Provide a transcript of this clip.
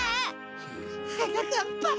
はなかっぱ。